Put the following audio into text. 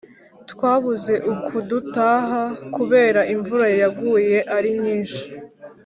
twabuze ukudutaha kubera imvura yaguye arinyinshi